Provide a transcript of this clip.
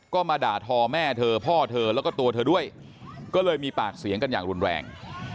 ก็มาด่าทอแม่เธอพ่อเธอแล้วก็ตัวเธอด้วยก็เลยมีปากเสียงกันอย่างรุนแรง